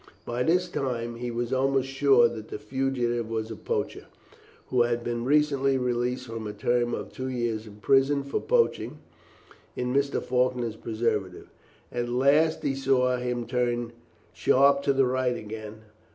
By this time he was almost sure that the fugitive was a poacher, who had been recently released from a term of two years in prison for poaching in Mr. Faulkner's preserves. At last he saw him turn sharp to the right again.